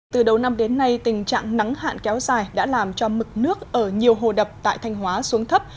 từ đầu năm đến nay tình trạng nắng hạn kéo dài đã làm cho mực nước ở nhiều hồ đập tại thanh hóa xuống thấp